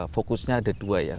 fokusnya ada dua ya